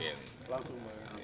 langsung ke jaya pak